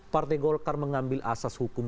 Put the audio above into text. partai golkar mengambil asas hukum